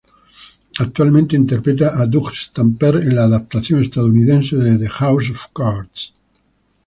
Actualmente interpreta a Doug Stamper en la adaptación estadounidense de "House of Cards".